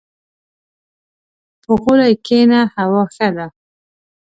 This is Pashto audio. • په غولي کښېنه، هوا ښه ده.